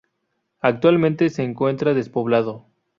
Actualmente se encuentra despoblado.